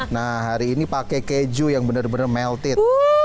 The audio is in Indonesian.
nah hari ini pakai keju yang benar benar melted